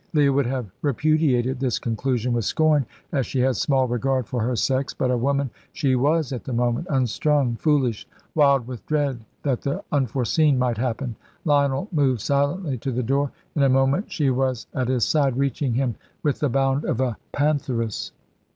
Leah would have repudiated this conclusion with scorn, as she had small regard for her sex; but a woman she was at the moment, unstrung, foolish, wild with dread that the unforeseen might happen. Lionel moved silently to the door. In a moment she was at his side, reaching him with the bound of a pantheress.